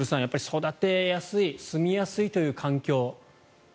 育てやすい住みやすいという環境。